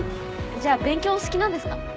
じゃあ勉強お好きなんですか？